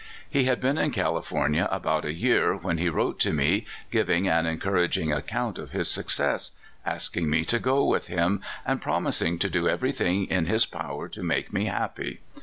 He had been in California about a year, when he wrote to me, giving an encouraging account of his success, asking me to go to him, and promising to do every thing in his power to make me happy.